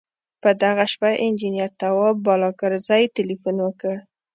په دغه شپه انجنیر تواب بالاکرزی تیلفون وکړ.